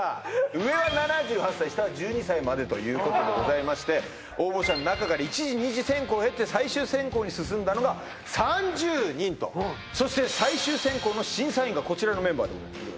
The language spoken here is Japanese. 上は７８歳下は１２歳までということでございまして応募者の中から一次二次選考を経て最終選考に進んだのが３０人とそしてがこちらのメンバーでございます